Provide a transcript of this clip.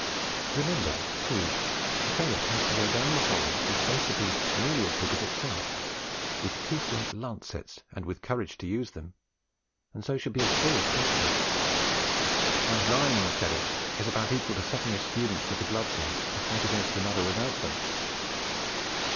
Remember, too, a ferret has to go down the hole and face a beast nearly as big as itself, with teeth like lancets and with courage to use them, and so should be as free as possible; and lining a ferret is about equal to setting a student with the gloves on to fight against another without them.